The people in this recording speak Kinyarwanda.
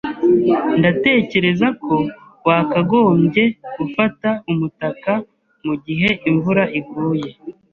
Ndatekereza ko wakagombye gufata umutaka mugihe imvura iguye.